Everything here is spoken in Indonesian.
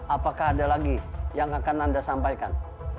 apakah ada lagi yang akan anda sampaikan